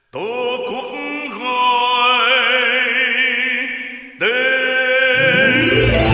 tổ quốc gọi tên